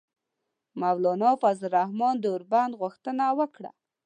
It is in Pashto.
مولانا فضل الرحمان د اوربند غوښتنه وکړه.